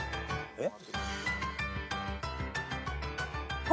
えっ？